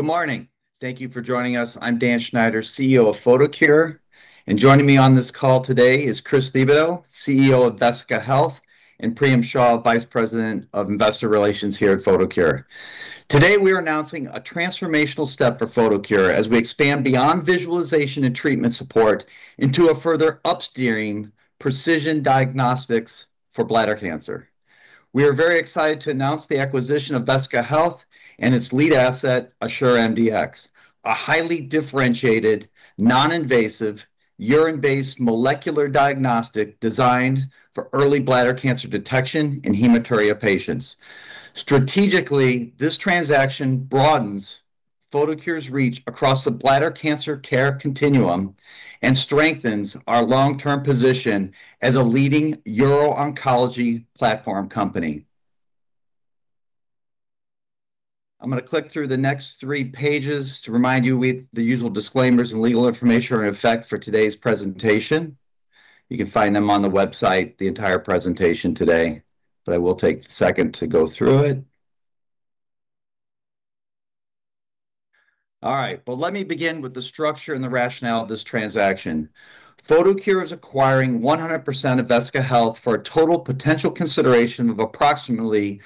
Good morning. Thank you for joining us. I'm Dan Schneider, CEO of Photocure, and joining me on this call today is Chris Thibodeau, CEO of Vesica Health, and Priyam Shah, Vice President of Investor Relations here at Photocure. Today, we are announcing a transformational step for Photocure as we expand beyond visualization and treatment support into a further up-steering precision diagnostics for bladder cancer. We are very excited to announce the acquisition of Vesica Health and its lead asset, AssureMDx, a highly differentiated, non-invasive, urine-based molecular diagnostic designed for early bladder cancer detection in hematuria patients. Strategically, this transaction broadens Photocure's reach across the bladder cancer care continuum and strengthens our long-term position as a leading uro-oncology platform company. I'm going to click through the next three pages to remind you with the usual disclaimers and legal information are in effect for today's presentation. You can find them on the website, the entire presentation today, but I will take a second to go through it. All right. Let me begin with the structure and the rationale of this transaction. Photocure is acquiring 100% of Vesica Health for a total potential consideration of approximately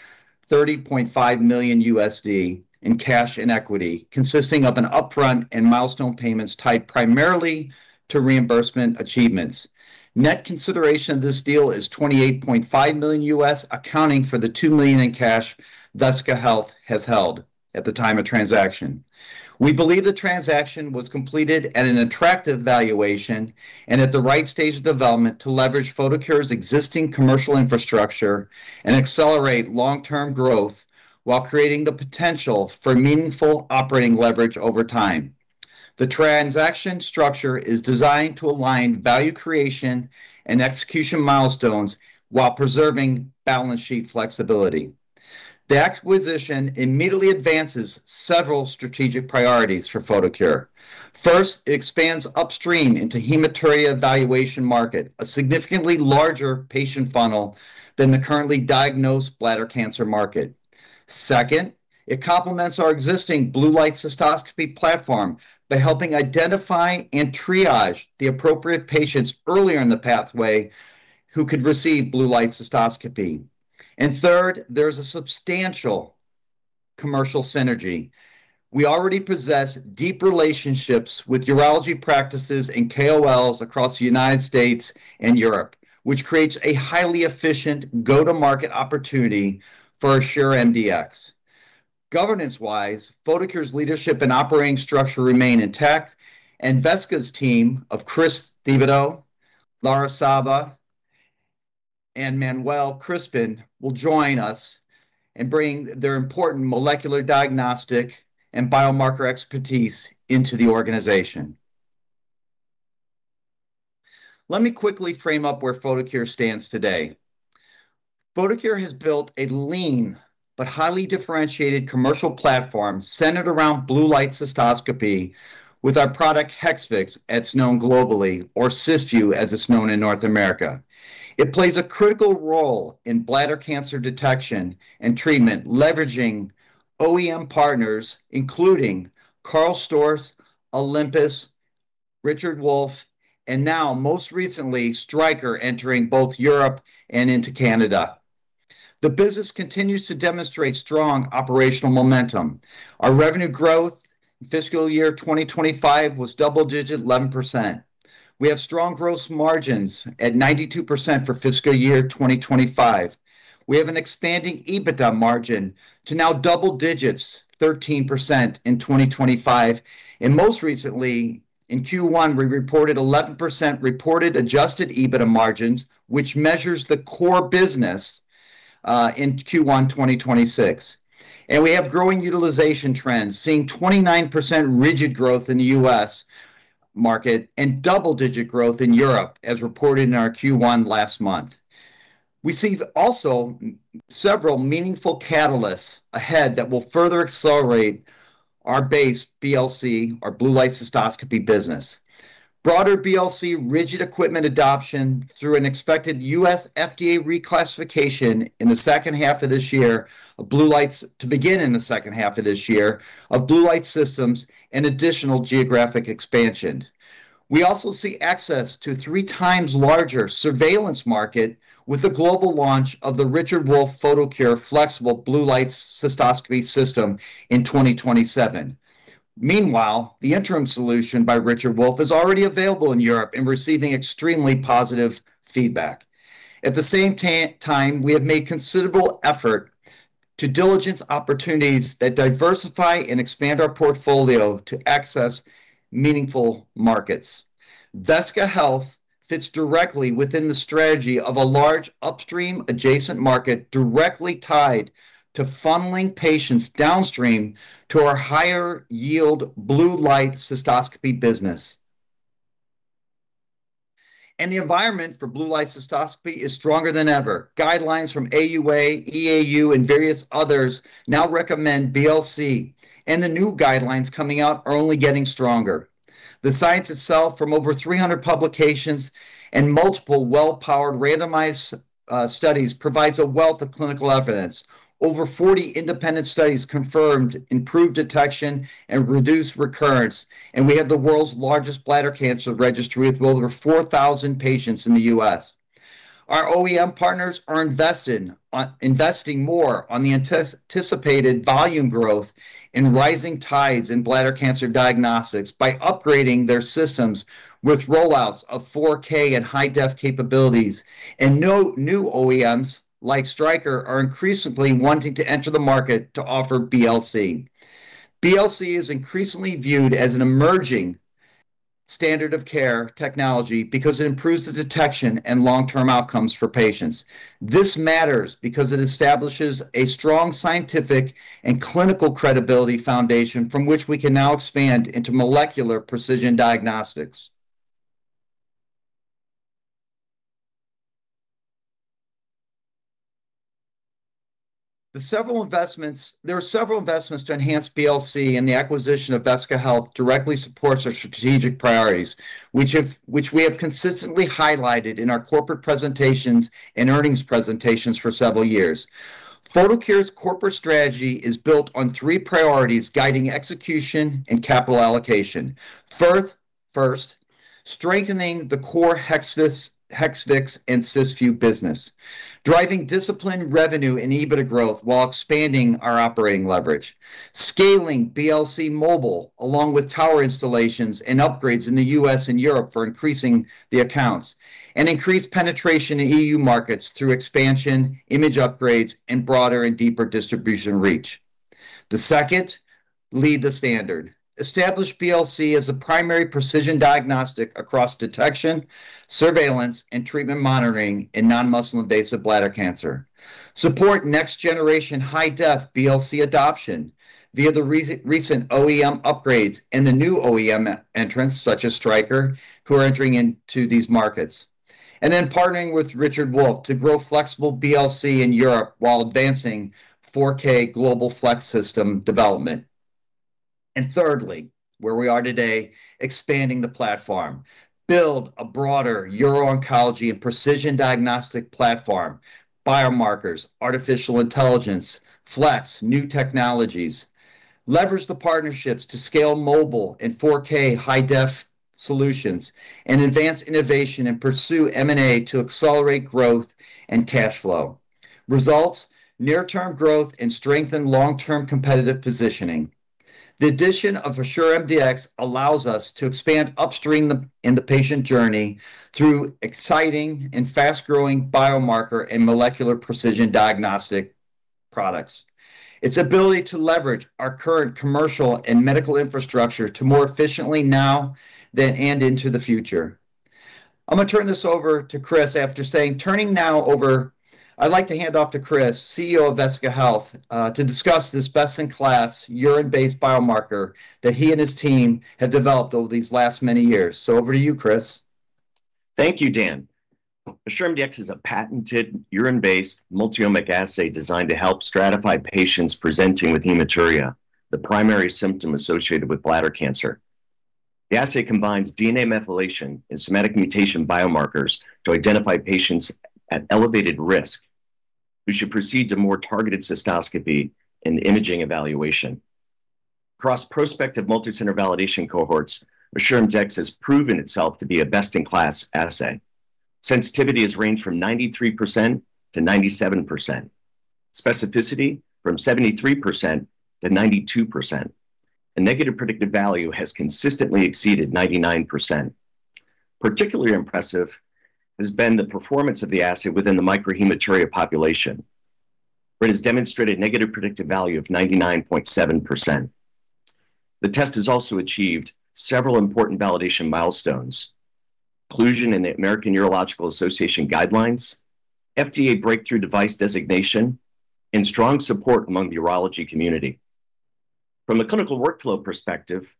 $30.5 million in cash and equity, consisting of an upfront and milestone payments tied primarily to reimbursement achievements. Net consideration of this deal is $28.5 million, accounting for the $2 million in cash Vesica Health has held at the time of transaction. We believe the transaction was completed at an attractive valuation and at the right stage of development to leverage Photocure's existing commercial infrastructure and accelerate long-term growth while creating the potential for meaningful operating leverage over time. The transaction structure is designed to align value creation and execution milestones while preserving balance sheet flexibility. The acquisition immediately advances several strategic priorities for Photocure. First, it expands upstream into hematuria evaluation market, a significantly larger patient funnel than the currently diagnosed bladder cancer market. Second, it complements our existing blue light cystoscopy platform by helping identify and triage the appropriate patients earlier in the pathway who could receive blue light cystoscopy. Third, there's a substantial commercial synergy. We already possess deep relationships with urology practices and KOLs across the United States and Europe, which creates a highly efficient go-to-market opportunity for AssureMDx. Governance-wise, Photocure's leadership and operating structure remain intact, and Vesica's team of Chris Thibodeau, Laura Caba, and Manuel Krispin will join us in bringing their important molecular diagnostic and biomarker expertise into the organization. Let me quickly frame up where Photocure stands today. Photocure has built a lean but highly differentiated commercial platform centered around blue light cystoscopy with our product Hexvix, as it's known globally, or Cysview as it's known in North America. It plays a critical role in bladder cancer detection and treatment, leveraging OEM partners, including KARL STORZ, Olympus, Richard Wolf, and now most recently, Stryker entering both Europe and into Canada. The business continues to demonstrate strong operational momentum. Our revenue growth in FY 2025 was double-digit 11%. We have strong gross margins at 92% for FY 2025. We have an expanding EBITDA margin to now double-digits, 13% in 2025. Most recently in Q1, we reported 11% reported adjusted EBITDA margins, which measures the core business, in Q1 2026. We have growing utilization trends, seeing 29% rigid growth in the U.S. market and double-digit growth in Europe, as reported in our Q1 last month. We see also several meaningful catalysts ahead that will further accelerate our base BLC, our blue light cystoscopy business. Broader BLC rigid equipment adoption through an expected U.S. FDA reclassification to begin in the second half of this year of blue light systems and additional geographic expansions. We also see access to three times larger surveillance market with the global launch of the Richard Wolf Photocure flexible blue light cystoscopy system in 2027. Meanwhile, the interim solution by Richard Wolf is already available in Europe and receiving extremely positive feedback. At the same time, we have made considerable effort to diligence opportunities that diversify and expand our portfolio to access meaningful markets. Vesica Health fits directly within the strategy of a large upstream adjacent market directly tied to funneling patients downstream to our higher yield blue light cystoscopy business. The environment for blue light cystoscopy is stronger than ever. Guidelines from AUA, EAU, and various others now recommend BLC, and the new guidelines coming out are only getting stronger. The science itself from over 300 publications and multiple well-powered randomized studies provides a wealth of clinical evidence. Over 40 independent studies confirmed improved detection and reduced recurrence, and we have the world's largest bladder cancer registry with over 4,000 patients in the U.S. Our OEM partners are investing more on the anticipated volume growth and rising tides in bladder cancer diagnostics by upgrading their systems with rollouts of 4K and hi-def capabilities. New OEMs like Stryker are increasingly wanting to enter the market to offer BLC. BLC is increasingly viewed as an emerging standard of care technology because it improves the detection and long-term outcomes for patients. This matters because it establishes a strong scientific and clinical credibility foundation from which we can now expand into molecular precision diagnostics. There are several investments to enhance BLC, and the acquisition of Vesica Health directly supports our strategic priorities which we have consistently highlighted in our corporate presentations and earnings presentations for several years. Photocure's corporate strategy is built on three priorities guiding execution and capital allocation. First, strengthening the core Hexvix and Cysview business. Driving disciplined revenue and EBITDA growth while expanding our operating leverage. Scaling BLC mobile, along with tower installations and upgrades in the U.S. and Europe for increasing the accounts, and increased penetration in EU markets through expansion, image upgrades, and broader and deeper distribution reach. The second, lead the standard. Establish BLC as a primary precision diagnostic across detection, surveillance, and treatment monitoring in non-muscle invasive bladder cancer. Support next generation hi-def BLC adoption via the recent OEM upgrades and the new OEM entrants such as Stryker who are entering into these markets. Partnering with Richard Wolf to grow flexible BLC in Europe while advancing 4K global flex system development. Where we are today, expanding the platform. Build a broader uro-oncology and precision diagnostic platform, biomarkers, artificial intelligence, flex, new technologies. Leverage the partnerships to scale mobile and 4K hi-def solutions and advance innovation and pursue M&A to accelerate growth and cash flow. Results, near-term growth and strengthen long-term competitive positioning. The addition of AssureMDx allows us to expand upstream in the patient journey through exciting and fast-growing biomarker and molecular precision diagnostic products. Its ability to leverage our current commercial and medical infrastructure to more efficiently now and into the future. I'd like to hand off to Chris, CEO of Vesica Health, to discuss this best-in-class urine-based biomarker that he and his team have developed over these last many years. Over to you, Chris. Thank you, Dan. AssureMDx is a patented urine-based multiomic assay designed to help stratify patients presenting with hematuria, the primary symptom associated with bladder cancer. The assay combines DNA methylation and somatic mutation biomarkers to identify patients at elevated risk who should proceed to more targeted cystoscopy and imaging evaluation. Across prospective multicenter validation cohorts, AssureMDx has proven itself to be a best-in-class assay. Sensitivity has ranged from 93%-97%. Specificity from 73%-92%. A negative predictive value has consistently exceeded 99%. Particularly impressive has been the performance of the assay within the microhematuria population, where it has demonstrated negative predictive value of 99.7%. The test has also achieved several important validation milestones. Inclusion in the American Urological Association guidelines, FDA Breakthrough Device Designation, and strong support among the urology community. From a clinical workflow perspective,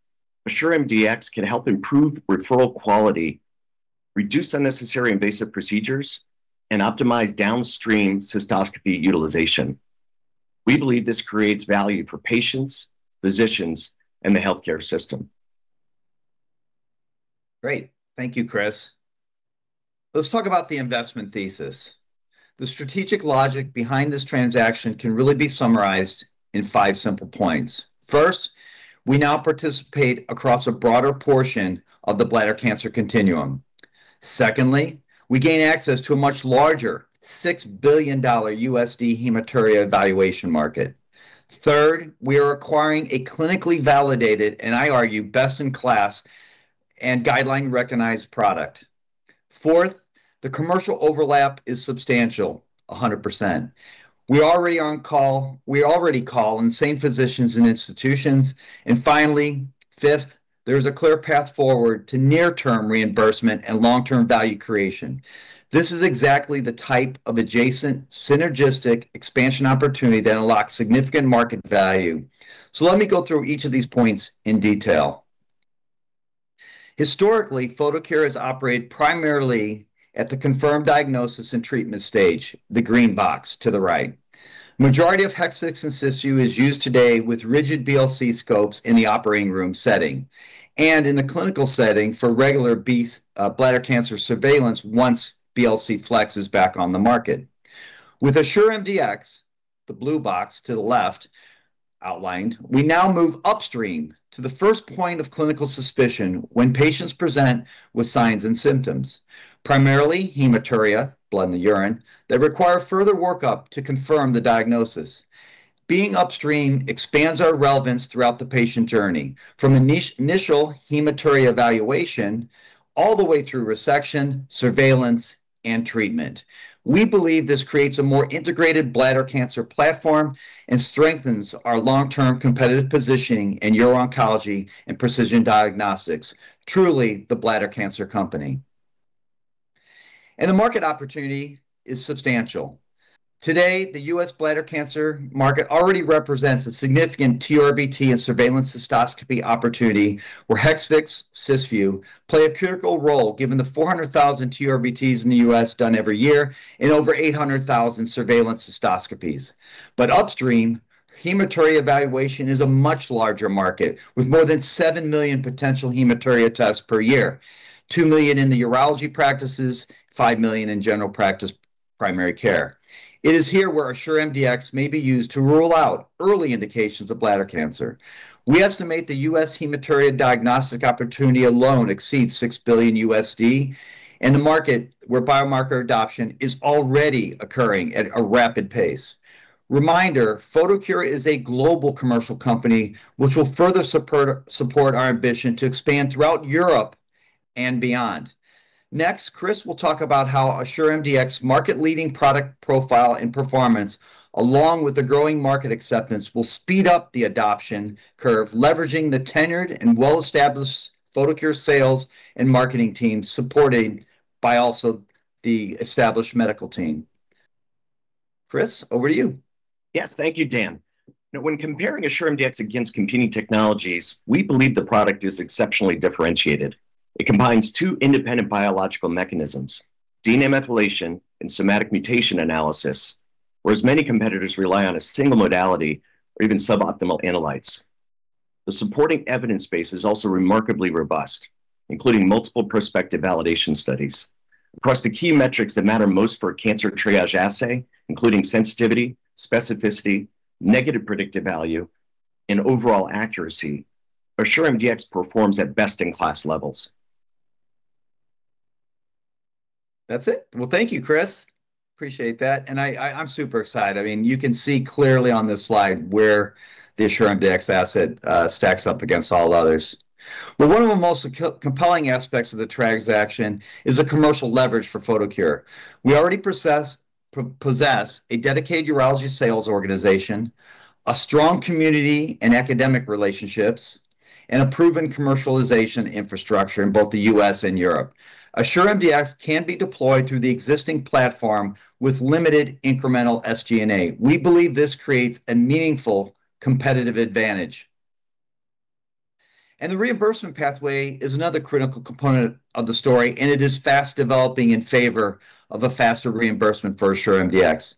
AssureMDx can help improve referral quality, reduce unnecessary invasive procedures, and optimize downstream cystoscopy utilization. We believe this creates value for patients, physicians, and the healthcare system. Great. Thank you, Chris. Let's talk about the investment thesis. The strategic logic behind this transaction can really be summarized in five simple points. First, we now participate across a broader portion of the bladder cancer continuum. Secondly, we gain access to a much larger $6 billion hematuria evaluation market. Third, we are acquiring a clinically validated, and I argue, best in class and guideline-recognized product. Fourth, the commercial overlap is substantial, 100%. We already call on the same physicians and institutions. Finally, fifth, there is a clear path forward to near-term reimbursement and long-term value creation. This is exactly the type of adjacent synergistic expansion opportunity that unlocks significant market value. Let me go through each of these points in detail. Historically, Photocure has operated primarily at the confirmed diagnosis and treatment stage, the green box to the right. Majority of Hexvix and Cysview is used today with rigid BLC scopes in the operating room setting, and in the clinical setting for regular bladder cancer surveillance once BLC Flex is back on the market. With AssureMDx, the blue box to the left outlined, we now move upstream to the first point of clinical suspicion when patients present with signs and symptoms, primarily hematuria, blood in the urine, that require further workup to confirm the diagnosis. Being upstream expands our relevance throughout the patient journey, from initial hematuria evaluation all the way through resection, surveillance, and treatment. We believe this creates a more integrated bladder cancer platform and strengthens our long-term competitive positioning in uro-oncology and precision diagnostics. Truly the bladder cancer company. The market opportunity is substantial. Today, the U.S. bladder cancer market already represents a significant TURBT and surveillance cystoscopy opportunity where Hexvix, Cysview, play a critical role given the 400,000 TURBTs in the U.S. done every year and over 800,000 surveillance cystoscopies. Upstream, hematuria evaluation is a much larger market, with more than 7 million potential hematuria tests per year. 2 million in the urology practices, 5 million in general practice primary care. It is here where AssureMDx may be used to rule out early indications of bladder cancer. We estimate the U.S. hematuria diagnostic opportunity alone exceeds $6 billion, and the market where biomarker adoption is already occurring at a rapid pace. Reminder, Photocure is a global commercial company, which will further support our ambition to expand throughout Europe and beyond. Next, Chris will talk about how AssureMDx market leading product profile and performance, along with the growing market acceptance, will speed up the adoption curve, leveraging the tenured and well-established Photocure sales and marketing team, supported by also the established medical team. Chris, over to you. Yes. Thank you, Dan. When comparing AssureMDx against competing technologies, we believe the product is exceptionally differentiated. It combines two independent biological mechanisms, DNA methylation and somatic mutation analysis, whereas many competitors rely on a single modality or even suboptimal analytes. The supporting evidence base is also remarkably robust, including multiple prospective validation studies. Across the key metrics that matter most for a cancer triage assay, including sensitivity, specificity, negative predictive value, and overall accuracy, AssureMDx performs at best-in-class levels. That's it. Well, thank you, Chris. Appreciate that, and I'm super excited. You can see clearly on this slide where the AssureMDx asset stacks up against all others. One of the most compelling aspects of the transaction is a commercial leverage for Photocure. We already possess a dedicated urology sales organization, strong community and academic relationships, and a proven commercialization infrastructure in both the U.S. and Europe. AssureMDx can be deployed through the existing platform with limited incremental SG&A. We believe this creates a meaningful competitive advantage. The reimbursement pathway is another critical component of the story, and it is fast developing in favor of a faster reimbursement for AssureMDx.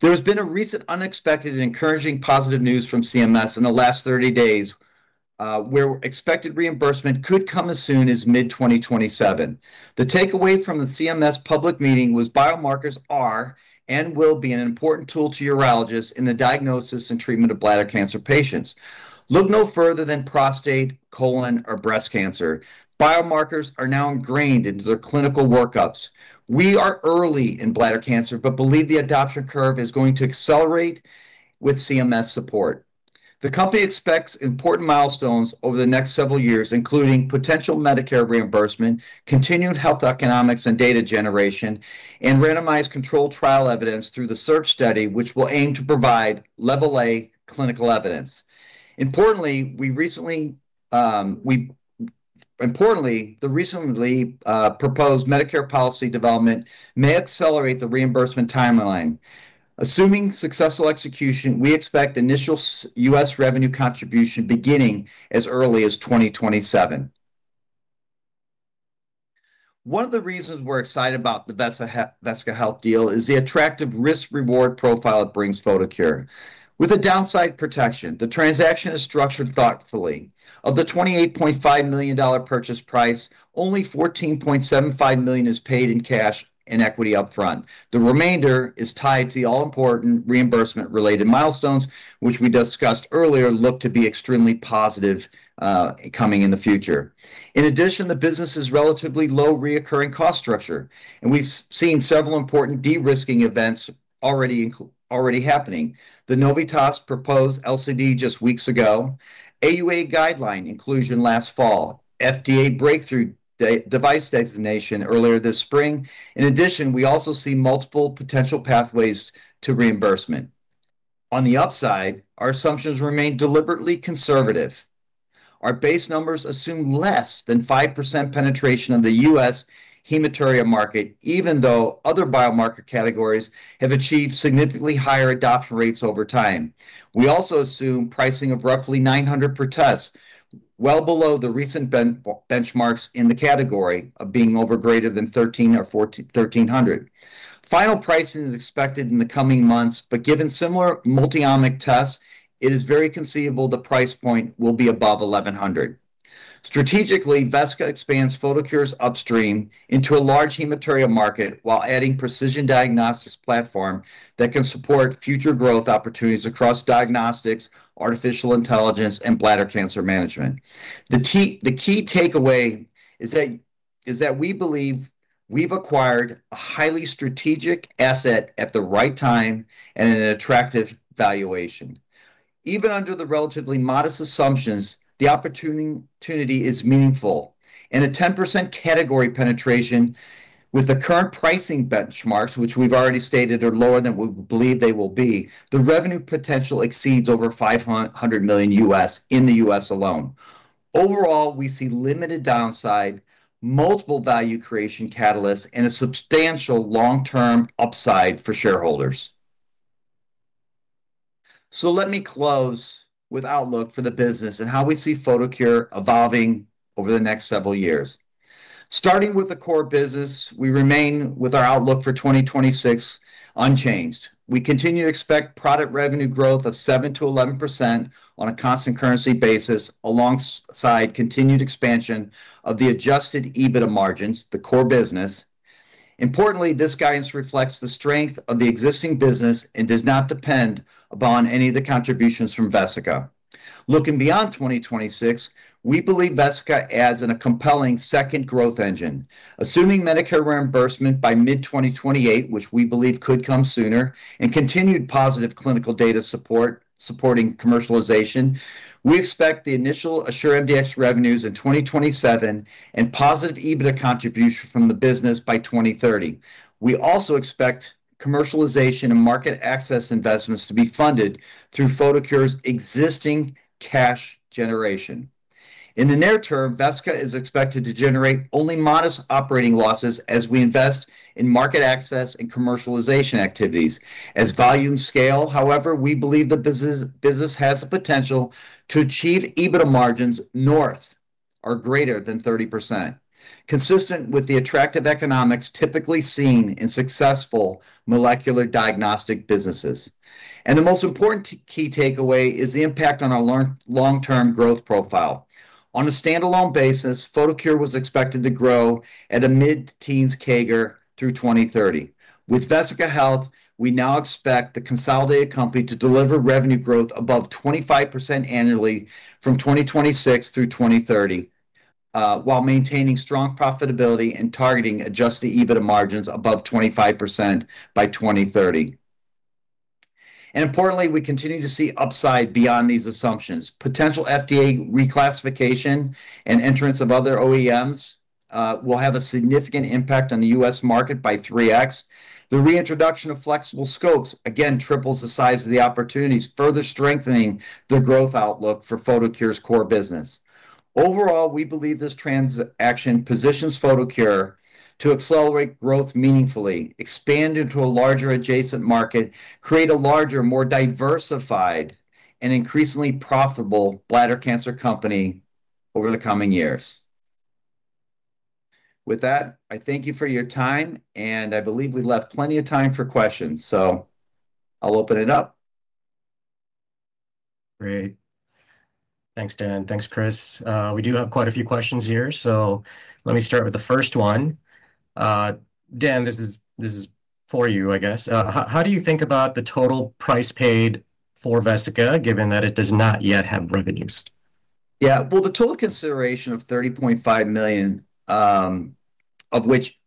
There has been a recent unexpected and encouraging positive news from CMS in the last 30 days, where expected reimbursement could come as soon as mid-2027. The takeaway from the CMS public meeting was biomarkers are and will be an important tool to urologists in the diagnosis and treatment of bladder cancer patients. Look no further than prostate, colon, or breast cancer. Biomarkers are now ingrained into their clinical workups. We are early in bladder cancer but believe the adoption curve is going to accelerate with CMS support. The company expects important milestones over the next several years, including potential Medicare reimbursement, continued health economics and data generation, and randomized controlled trial evidence through the SEARCH study, which will aim to provide level A clinical evidence. Importantly, the recently proposed Medicare policy development may accelerate the reimbursement timeline. Assuming successful execution, we expect initial U.S. revenue contribution beginning as early as 2027. One of the reasons we're excited about the Vesica Health deal is the attractive risk-reward profile it brings Photocure. With a downside protection, the transaction is structured thoughtfully. Of the $28.5 million purchase price, only $14.75 million is paid in cash and equity upfront. The remainder is tied to the all-important reimbursement-related milestones, which we discussed earlier look to be extremely positive coming in the future. In addition, the business is relatively low reoccurring cost structure, and we've seen several important de-risking events already happening. The Novitas proposed LCD just weeks ago, AUA guideline inclusion last fall, FDA Breakthrough Device Designation earlier this spring. In addition, we also see multiple potential pathways to reimbursement. On the upside, our assumptions remain deliberately conservative. Our base numbers assume less than 5% penetration of the U.S. hematuria market, even though other biomarker categories have achieved significantly higher adoption rates over time. We also assume pricing of roughly $900 per test, which well below the recent benchmarks in the category of being over greater than $1,300. Final pricing is expected in the coming months, given similar multi-omic tests, it is very conceivable the price point will be above $1,100. Strategically, Vesica expands Photocure's upstream into a large hematuria market, while adding precision diagnostics platform that can support future growth opportunities across diagnostics, artificial intelligence, and bladder cancer management. The key takeaway is that we believe we've acquired a highly strategic asset at the right time and at an attractive valuation. Even under the relatively modest assumptions, the opportunity is meaningful. In a 10% category penetration with the current pricing benchmarks, which we've already stated are lower than we believe they will be, the revenue potential exceeds over $500 million in the U.S. alone. Overall, we see limited downside, multiple value creation catalysts, and a substantial long-term upside for shareholders. Let me close with outlook for the business and how we see Photocure evolving over the next several years. Starting with the core business, we remain with our outlook for 2026 unchanged. We continue to expect product revenue growth of 7%-11% on a constant currency basis, alongside continued expansion of the adjusted EBITDA margins, the core business. Importantly, this guidance reflects the strength of the existing business and does not depend upon any of the contributions from Vesica. Looking beyond 2026, we believe Vesica adds in a compelling second growth engine. Assuming Medicare reimbursement by mid-2028, which we believe could come sooner, and continued positive clinical data supporting commercialization, we expect the initial AssureMDx revenues in 2027 and positive EBITDA contribution from the business by 2030. We also expect commercialization and market access investments to be funded through Photocure's existing cash generation. In the near term, Vesica is expected to generate only modest operating losses as we invest in market access and commercialization activities. As volumes scale, however, we believe the business has the potential to achieve EBITDA margins north or greater than 30%, consistent with the attractive economics typically seen in successful molecular diagnostic businesses. The most important key takeaway is the impact on our long-term growth profile. On a standalone basis, Photocure was expected to grow at a mid-teens CAGR through 2030. With Vesica Health, we now expect the consolidated company to deliver revenue growth above 25% annually from 2026 through 2030, while maintaining strong profitability and targeting adjusted EBITDA margins above 25% by 2030. Importantly, we continue to see upside beyond these assumptions. Potential FDA reclassification and entrance of other OEMs will have a significant impact on the U.S. market by 3x. The reintroduction of flexible scopes again triples the size of the opportunities, further strengthening the growth outlook for Photocure's core business. Overall, we believe this transaction positions Photocure to accelerate growth meaningfully, expand into a larger adjacent market, create a larger, more diversified, and increasingly profitable bladder cancer company over the coming years. With that, I thank you for your time, and I believe we left plenty of time for questions, so I'll open it up. Great. Thanks, Dan. Thanks, Chris. We do have quite a few questions here. Let me start with the first one. Dan, this is for you, I guess. How do you think about the total price paid for Vesica, given that it does not yet have revenues? Well, the total consideration of $30.5 million, of which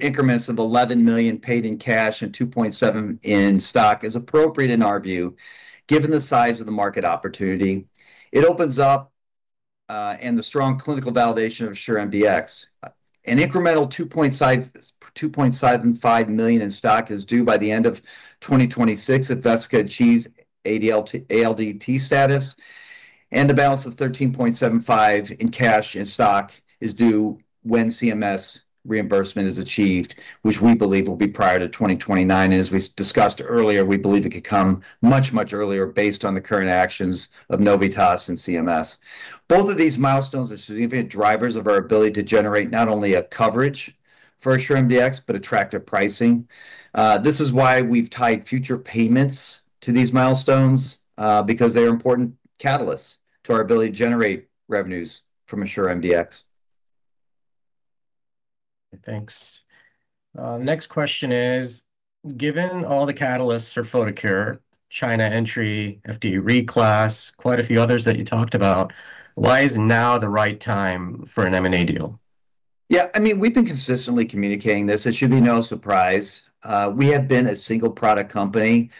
increments of $11 million paid in cash and $2.7 million in stock is appropriate in our view, given the size of the market opportunity it opens up, and the strong clinical validation of AssureMDx. An incremental $2.75 million in stock is due by the end of 2026 if Vesica achieves ADLT status, and the balance of $13.75 million in cash in stock is due when CMS reimbursement is achieved, which we believe will be prior to 2029. As we discussed earlier, we believe it could come much, much earlier based on the current actions of Novitas and CMS. Both of these milestones are significant drivers of our ability to generate not only a coverage for AssureMDx, but attractive pricing. This is why we've tied future payments to these milestones, because they are important catalysts to our ability to generate revenues from Assure MDx. Thanks. The next question is, given all the catalysts for Photocure, China entry, FDA reclass, quite a few others that you talked about, why is now the right time for an M&A deal? Yeah, we've been consistently communicating this. It should be no surprise. We have been a single product company.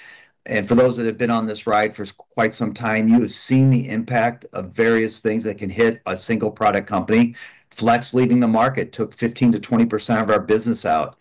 For those that have been on this ride for quite some time, you have seen the impact of various things that can hit a single product company. BLC Flex leading the market took 15%-20% of our business out.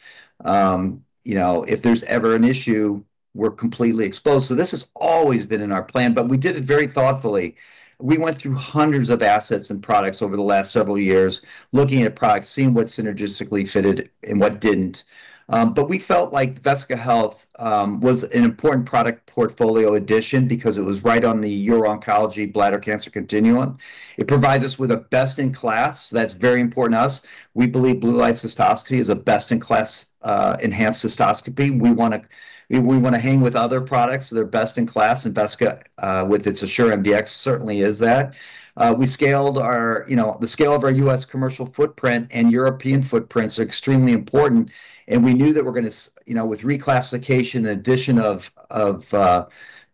If there's ever an issue, we're completely exposed. This has always been in our plan. We did it very thoughtfully. We went through hundreds of assets and products over the last several years, looking at products, seeing what synergistically fitted and what didn't. We felt like Vesica Health was an important product portfolio addition because it was right on the uro-oncology bladder cancer continuum. It provides us with a best-in-class, that's very important to us. We believe blue light cystoscopy is a best-in-class enhanced cystoscopy. We want to hang with other products that are best in class and Vesica, with its AssureMDx, certainly is that. The scale of our U.S. commercial footprint and European footprints are extremely important, and we knew that with reclassification and addition of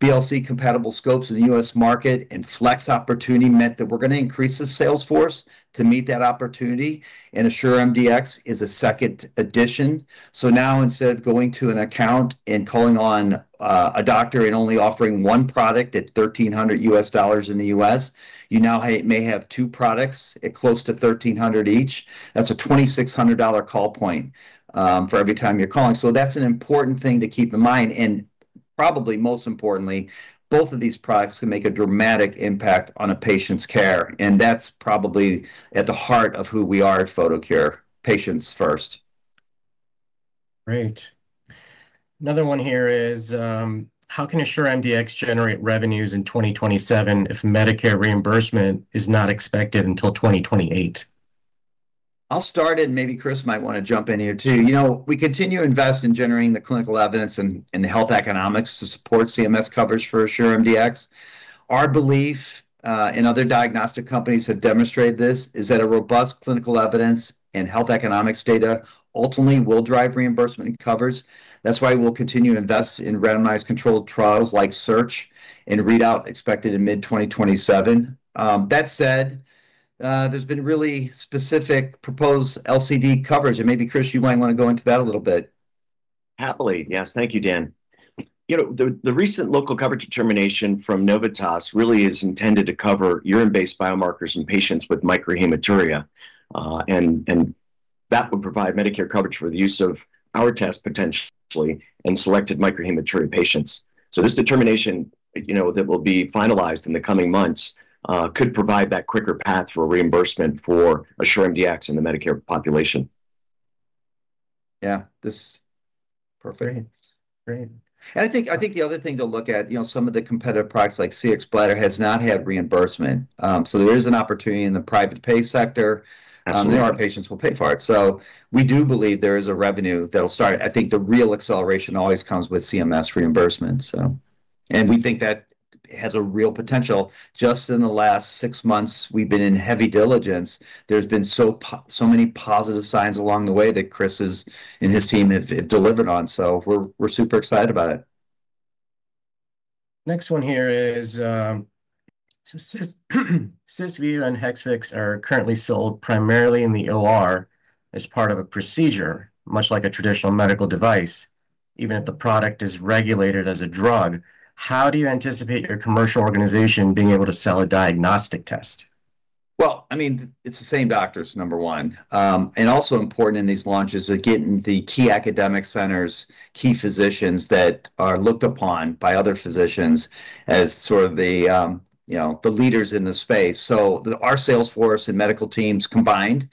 BLC-compatible scopes in the U.S. market, and flex opportunity meant that we're going to increase the sales force to meet that opportunity, and AssureMDx is a second addition. Now instead of going to an account and calling on a doctor and only offering one product at $1,300 in the U.S., you now may have two products at close to $1,300 each. That's a $2,600 call point for every time you're calling. That's an important thing to keep in mind, and probably most importantly, both of these products can make a dramatic impact on a patient's care, and that's probably at the heart of who we are at Photocure, patients first. Great. Another one here is, how can AssureMDx generate revenues in 2027 if Medicare reimbursement is not expected until 2028? I'll start it, and maybe Chris might want to jump in here too. We continue to invest in generating the clinical evidence and the health economics to support CMS coverage for AssureMDx. Our belief, and other diagnostic companies have demonstrated this, is that a robust clinical evidence and health economics data ultimately will drive reimbursement and coverage. That's why we'll continue to invest in randomized controlled trials like SEARCH, and readout expected in mid-2027. That said, there's been really specific proposed LCD coverage, and maybe Chris, you might want to go into that a little bit. Happily. Yes. Thank you, Dan. The recent Local Coverage Determination from Novitas really is intended to cover urine-based biomarkers in patients with microhematuria, and that would provide Medicare coverage for the use of our test, potentially, in selected microhematuria patients. This determination that will be finalized in the coming months could provide that quicker path for reimbursement for AssureMDx in the Medicare population. Yeah. This Perfect. Great. I think the other thing to look at, some of the competitive products like Cxbladder has not had reimbursement. There is an opportunity in the private pay sector. Absolutely where our patients will pay for it. We do believe there is a revenue that'll start. I think the real acceleration always comes with CMS reimbursement. We think that has a real potential. Just in the last six months we've been in heavy diligence, there's been so many positive signs along the way that Chris and his team have delivered on. We're super excited about it. Next one here is, Cysview and Hexvix are currently sold primarily in the OR as part of a procedure, much like a traditional medical device, even if the product is regulated as a drug. How do you anticipate your commercial organization being able to sell a diagnostic test? Well, it's the same doctors, number one. Also important in these launches are getting the key academic centers, key physicians that are looked upon by other physicians as sort of the leaders in the space. Our sales force and medical teams combined.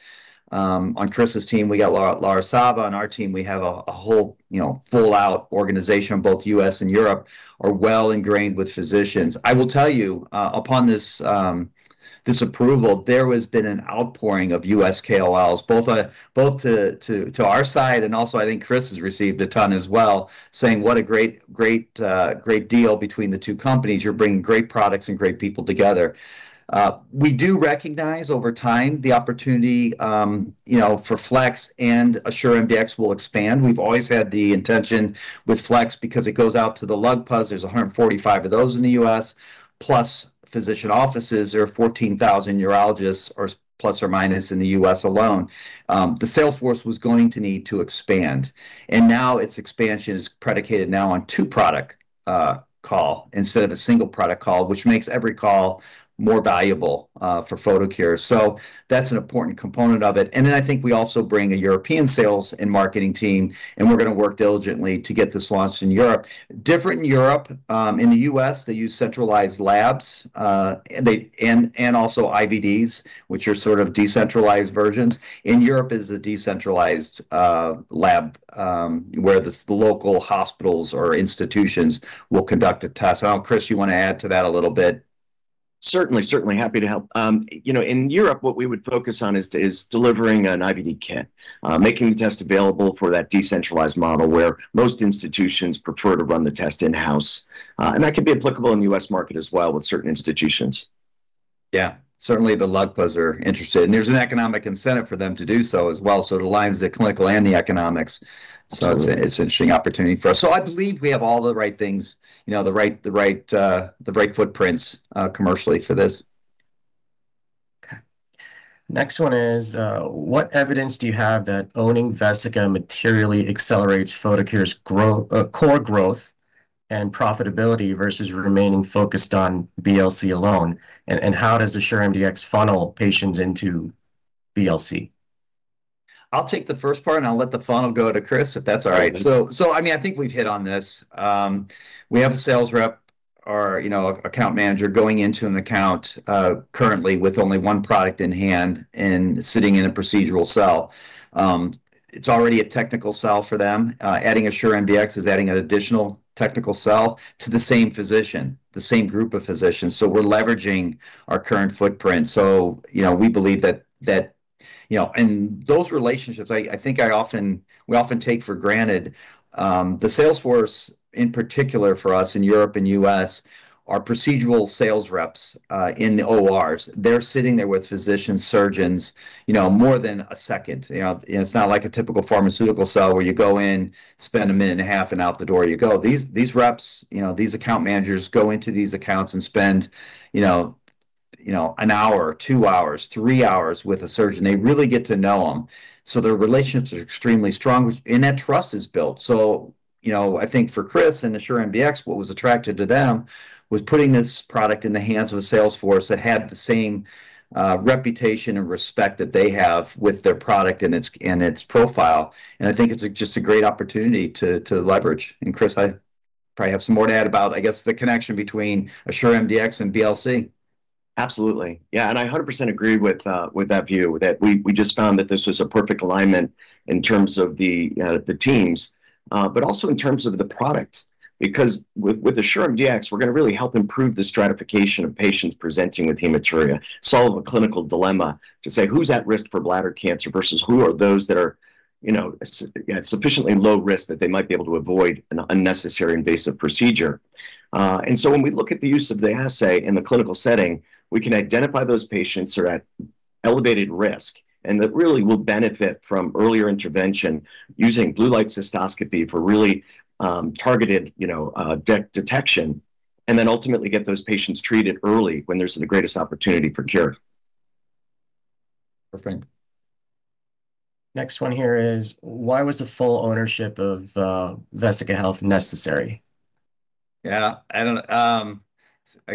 On Chris's team, we got Laura Caba, on our team, we have a whole full-out organization, both U.S. and Europe, are well ingrained with physicians. I will tell you, upon this approval, there has been an outpouring of U.S. KOLs, both to our side, and also I think Chris has received a ton as well, saying what a great deal between the two companies. You're bringing great products and great people together. We do recognize over time the opportunity for Flex and AssureMDx will expand. We've always had the intention with Flex because it goes out to the LUGPA. There's 145 of those in the U.S. Plus physician offices, there are 14,000 urologists, plus or minus, in the U.S. alone. The sales force was going to need to expand, now its expansion is predicated now on two-product call instead of a single-product call, which makes every call more valuable for Photocure. That's an important component of it. Then I think we also bring a European sales and marketing team, and we're going to work diligently to get this launched in Europe. Different in Europe. In the U.S., they use centralized labs, and also IVDs, which are sort of decentralized versions. In Europe, it's a decentralized lab where the local hospitals or institutions will conduct a test. I don't know, Chris, you want to add to that a little bit? Certainly, happy to help. In Europe, what we would focus on is delivering an IVD kit. Making the test available for that decentralized model where most institutions prefer to run the test in-house. That could be applicable in the U.S. market as well with certain institutions. Certainly, the LUGPA are interested, and there's an economic incentive for them to do so as well. It aligns the clinical and the economics. Absolutely. It's an interesting opportunity for us. I believe we have all the right things, the right footprints commercially for this. Okay. Next one is, what evidence do you have that owning Vesica materially accelerates Photocure's core growth and profitability versus remaining focused on BLC alone? How does AssureMDx funnel patients into BLC? I'll take the first part and I'll let the funnel go to Chris, if that's all right. I think we've hit on this. We have a sales rep or account manager going into an account currently with only one product in hand and sitting in a procedural sale. It's already a technical sale for them. Adding AssureMDx is adding an additional technical sale to the same physician, the same group of physicians. We're leveraging our current footprint. We believe those relationships, I think we often take for granted. The sales force, in particular for us in Europe and U.S., are procedural sales reps in the ORs. They're sitting there with physicians, surgeons, more than a second. It's not like a typical pharmaceutical cell where you go in, spend a minute and a half, and out the door you go. These reps, these account managers go into these accounts and spend an hour, two hours, three hours with a surgeon. They really get to know them. Their relationships are extremely strong, and that trust is built. I think for Chris and AssureMDx, what was attractive to them was putting this product in the hands of a sales force that had the same reputation and respect that they have with their product and its profile. I think it's just a great opportunity to leverage. Chris, I probably have some more to add about, I guess, the connection between AssureMDx and BLC. Absolutely. Yeah. I 100% agree with that view. We just found that this was a perfect alignment in terms of the teams, but also in terms of the products. With AssureMDx, we're going to really help improve the stratification of patients presenting with hematuria, solve a clinical dilemma to say who's at risk for bladder cancer versus who are those that are at sufficiently low risk that they might be able to avoid an unnecessary invasive procedure. When we look at the use of the assay in the clinical setting, we can identify those patients who are at elevated risk, and that really will benefit from earlier intervention using blue light cystoscopy for really targeted detection, and then ultimately get those patients treated early when there's the greatest opportunity for cure. Perfect. Next one here is why was the full ownership of Vesica Health necessary? Yeah. I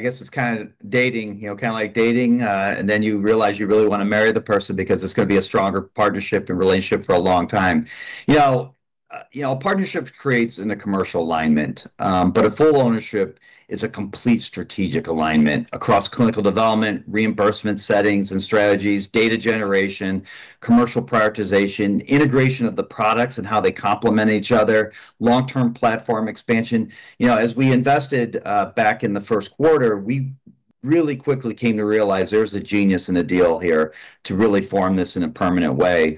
guess it's kind of like dating, and then you realize you really want to marry the person because it's going to be a stronger partnership and relationship for a long time. A partnership creates in a commercial alignment. A full ownership is a complete strategic alignment across clinical development, reimbursement settings and strategies, data generation, commercial prioritization, integration of the products and how they complement each other, long-term platform expansion. As we invested back in the first quarter, we really quickly came to realize there was a genius and a deal here to really form this in a permanent way.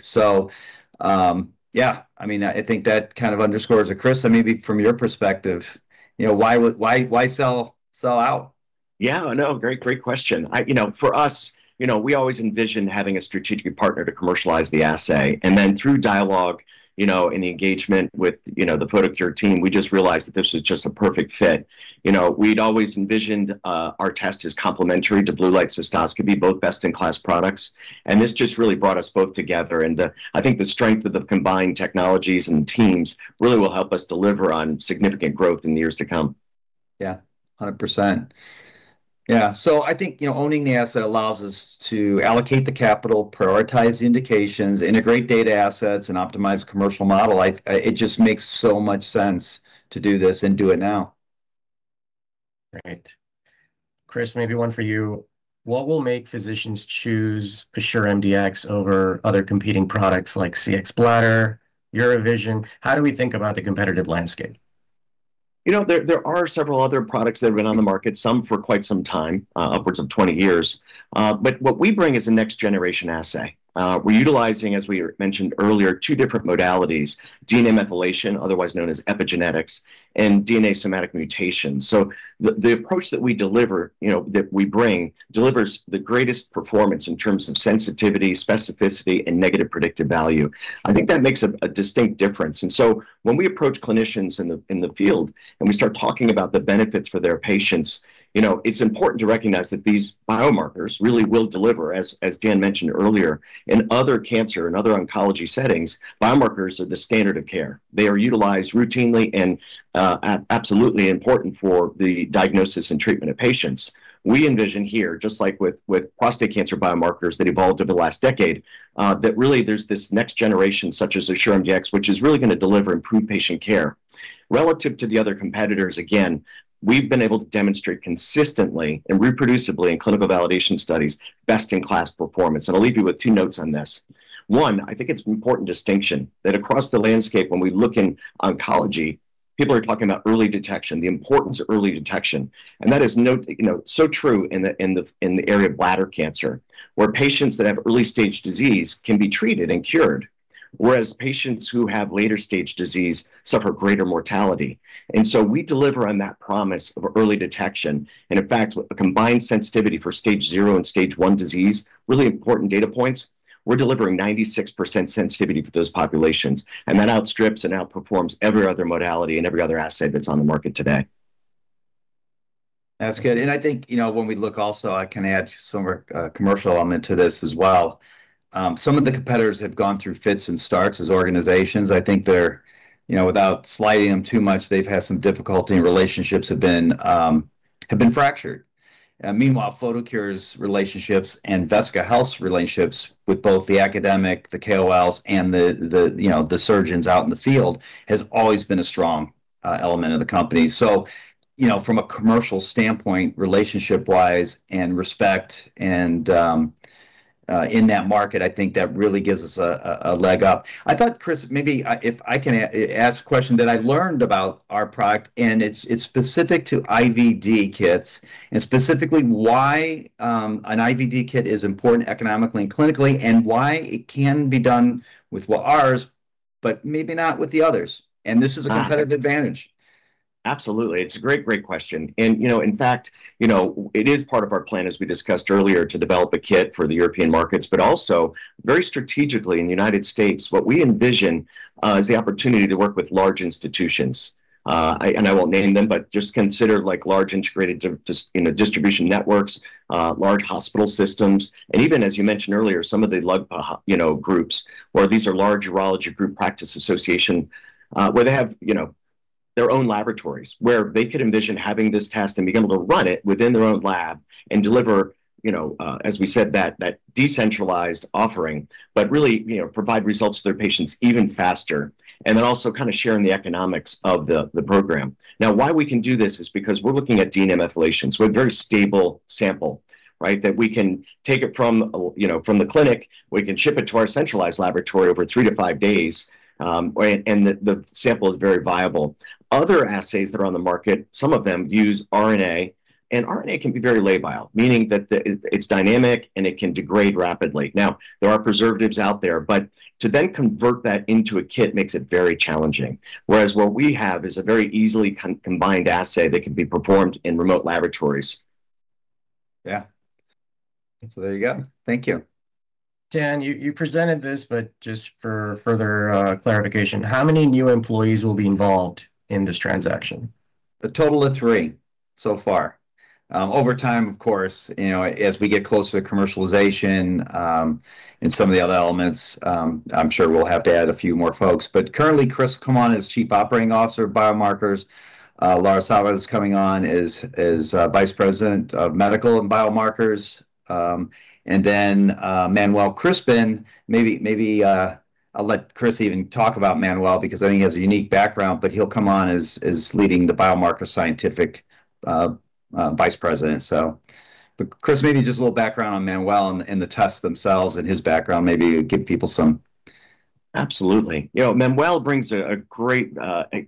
Yeah, I think that kind of underscores it. Chris, maybe from your perspective, why sell out? Yeah, no, great question. For us, we always envisioned having a strategic partner to commercialize the assay. Then through dialogue and the engagement with the Photocure team, we just realized that this was just a perfect fit. We'd always envisioned our test as complementary to blue light cystoscopy, both best-in-class products. This just really brought us both together. I think the strength of the combined technologies and teams really will help us deliver on significant growth in the years to come. Yeah, 100%. Yeah. I think owning the asset allows us to allocate the capital, prioritize indications, integrate data assets, and optimize commercial model. It just makes so much sense to do this and do it now. Great. Chris, maybe one for you. What will make physicians choose AssureMDx over other competing products like Cxbladder, UroVysion? How do we think about the competitive landscape? There are several other products that have been on the market, some for quite some time, upwards of 20 years. What we bring is a next generation assay. We're utilizing, as we mentioned earlier, two different modalities, DNA methylation, otherwise known as epigenetics, and DNA somatic mutations. The approach that we bring delivers the greatest performance in terms of sensitivity, specificity, and negative predictive value. I think that makes a distinct difference. When we approach clinicians in the field and we start talking about the benefits for their patients, it's important to recognize that these biomarkers really will deliver, as Dan mentioned earlier, in other cancer and other oncology settings, biomarkers are the standard of care. They are utilized routinely and are absolutely important for the diagnosis and treatment of patients. We envision here, just like with prostate cancer biomarkers that evolved over the last decade, that really there's this next generation, such as AssureMDx, which is really going to deliver improved patient care. Relative to the other competitors, again, we've been able to demonstrate consistently and reproducibly in clinical validation studies, best-in-class performance. I'll leave you with two notes on this. One, I think it's an important distinction that across the landscape, when we look in oncology, people are talking about early detection, the importance of early detection. That is so true in the area of bladder cancer, where patients that have early-stage disease can be treated and cured, whereas patients who have later-stage disease suffer greater mortality. We deliver on that promise of early detection. In fact, a combined sensitivity for Stage 0 and Stage 1 disease, really important data points. We're delivering 96% sensitivity for those populations. That outstrips and outperforms every other modality and every other assay that's on the market today. That's good. I think, when we look also, I can add some commercial element to this as well. Some of the competitors have gone through fits and starts as organizations. I think they're, without slighting them too much, they've had some difficulty and relationships have been fractured. Meanwhile, Photocure's relationships and Vesica Health's relationships with both the academic, the KOLs, and the surgeons out in the field has always been a strong element of the company. From a commercial standpoint, relationship-wise and respect and in that market, I think that really gives us a leg up. I thought, Chris, maybe if I can ask a question that I learned about our product, and it's specific to IVD kits, and specifically why an IVD kit is important economically and clinically, and why it can be done with ours but maybe not with the others. This is a competitive advantage. Absolutely. It's a great question. In fact, it is part of our plan, as we discussed earlier, to develop a kit for the European markets, but also very strategically in the United States, what we envision is the opportunity to work with large institutions. I won't name them, but just consider large integrated distribution networks, large hospital systems, even as you mentioned earlier, some of the large groups where these are Large Urology Group Practice Association, where they have their own laboratories where they could envision having this test and be able to run it within their own lab and deliver, as we said, that decentralized offering, but really provide results to their patients even faster. Then also sharing the economics of the program. Now, why we can do this is because we're looking at DNA methylations with very stable sample. That we can take it from the clinic, we can ship it to our centralized laboratory over three to five days, and the sample is very viable. Other assays that are on the market, some of them use RNA, and RNA can be very labile, meaning that it's dynamic, and it can degrade rapidly. Now, there are preservatives out there, but to then convert that into a kit makes it very challenging. Whereas what we have is a very easily combined assay that can be performed in remote laboratories. Yeah. There you go. Thank you. Dan, you presented this, but just for further clarification, how many new employees will be involved in this transaction? A total of three so far. Over time, of course, as we get closer to commercialization and some of the other elements, I'm sure we'll have to add a few more folks. Currently, Chris come on as Chief Operating Officer of biomarkers. Laura Caba is coming on as Vice President of Medical and Biomarkers. Manuel Krispin, maybe I'll let Chris even talk about Manuel because I think he has a unique background, he'll come on as leading the biomarker scientific Vice President. Chris, maybe just a little background on Manuel and the tests themselves and his background maybe would give people some. Absolutely. Manuel brings a great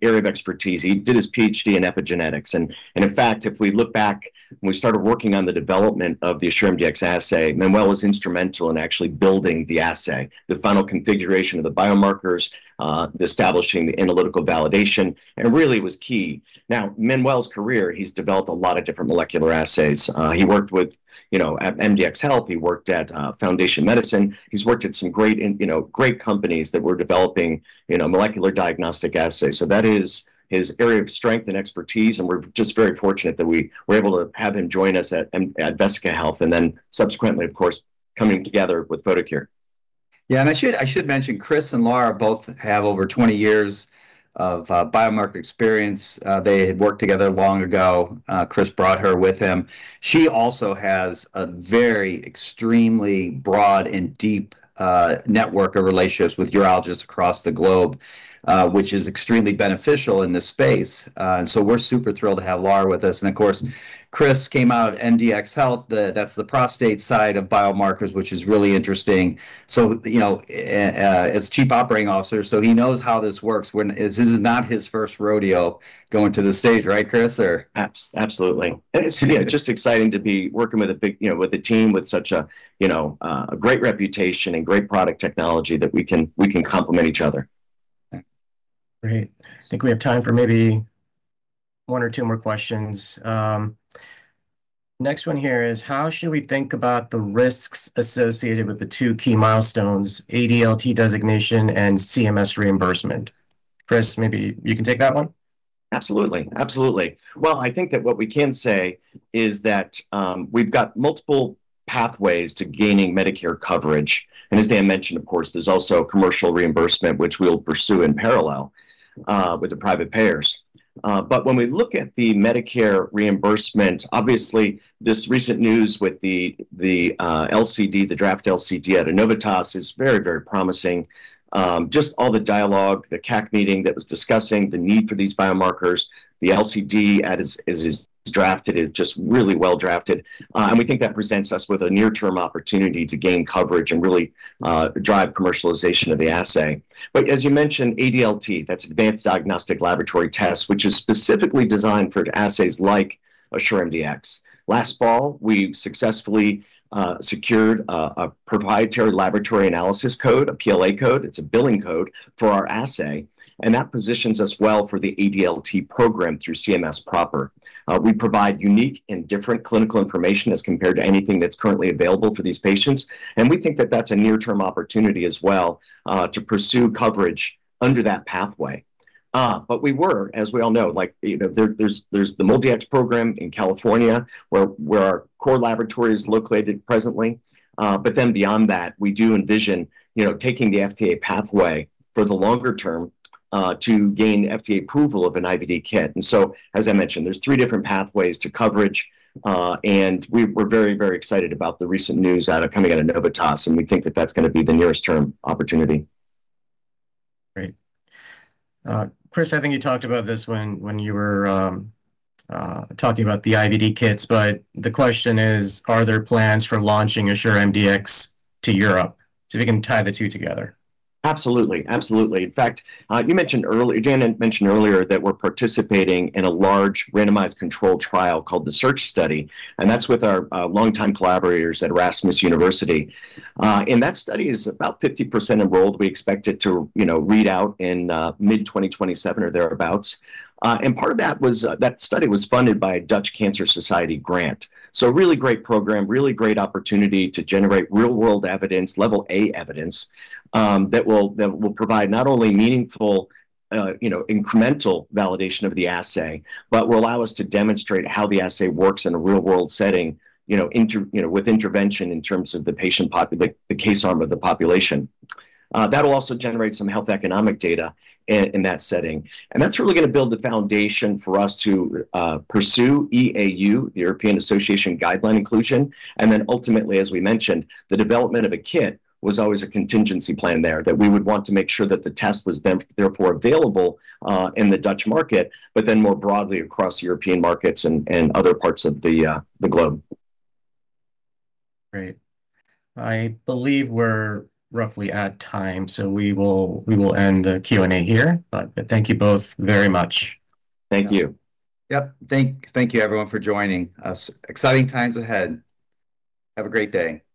area of expertise. He did his PhD in epigenetics. In fact, if we look back when we started working on the development of the AssureMDx assay, Manuel was instrumental in actually building the assay, the final configuration of the biomarkers, establishing the analytical validation, and really was key. Now, Manuel's career, he's developed a lot of different molecular assays. He worked with MDxHealth. He worked at Foundation Medicine. He's worked at some great companies that were developing molecular diagnostic assays. That is his area of strength and expertise, and we're just very fortunate that we were able to have him join us at Vesica Health, and then subsequently, of course, coming together with Photocure. Yeah, I should mention Chris and Laura both have over 20 years of biomarker experience. They had worked together long ago. Chris brought her with him. She also has a very extremely broad and deep network of relationships with urologists across the globe, which is extremely beneficial in this space. We're super thrilled to have Laura with us. Of course, Chris came out MDxHealth, that's the prostate side of biomarkers, which is really interesting. As Chief Operating Officer, so he knows how this works, this is not his first rodeo going to the stage, right, Chris, or? Absolutely. Yeah. Just exciting to be working with a team with such a great reputation and great product technology that we can complement each other. Yeah. Great. I think we have time for maybe one or two more questions. How should we think about the risks associated with the two key milestones, ADLT designation and CMS reimbursement? Chris, maybe you can take that one. Absolutely. Well, I think that what we can say is that we've got multiple pathways to gaining Medicare coverage. As Dan mentioned, of course, there's also commercial reimbursement, which we'll pursue in parallel with the private payers. When we look at the Medicare reimbursement, obviously this recent news with the LCD, the draft LCD at Novitas is very promising. Just all the dialogue, the CAC meeting that was discussing the need for these biomarkers, the LCD as is drafted is just really well drafted. We think that presents us with a near-term opportunity to gain coverage and really drive commercialization of the assay. As you mentioned, ADLT, that's advanced diagnostic laboratory test, which is specifically designed for assays like AssureMDx. Last fall, we successfully secured a proprietary laboratory analysis code, a PLA code, it's a billing code for our assay. That positions us well for the ADLT program through CMS proper. We provide unique and different clinical information as compared to anything that's currently available for these patients. We think that that's a near-term opportunity as well to pursue coverage under that pathway. We were, as we all know, there's the MolDX program in California where our core laboratory is located presently. Beyond that, we do envision taking the FDA pathway for the longer term to gain FDA approval of an IVD kit. As I mentioned, there's three different pathways to coverage. We're very excited about the recent news coming out of Novitas. We think that that's going to be the nearest term opportunity. Great. Chris, I think you talked about this when you were talking about the IVD kits, the question is, are there plans for launching Assure MDx to Europe? We can tie the two together. Absolutely. In fact, Dan mentioned earlier that we're participating in a large randomized control trial called the SEARCH study, and that's with our longtime collaborators at Erasmus University. That study is about 50% enrolled. We expect it to read out in mid 2027 or thereabouts. Part of that was that study was funded by a Dutch Cancer Society grant. Really great program, really great opportunity to generate real world evidence, level A evidence, that will provide not only meaningful incremental validation of the assay, but will allow us to demonstrate how the assay works in a real world setting with intervention in terms of the case arm of the population. That'll also generate some health economic data in that setting. That's really going to build the foundation for us to pursue EAU, the European Association guideline inclusion. Ultimately, as we mentioned, the development of a kit was always a contingency plan there that we would want to make sure that the test was then therefore available in the Dutch market, more broadly across European markets and other parts of the globe. Great. I believe we're roughly at time. We will end the Q&A here. Thank you both very much. Thank you. Yep. Thank you everyone for joining us. Exciting times ahead. Have a great day. Bye-bye.